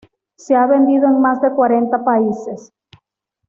Se ha vendido en más de cuarenta países.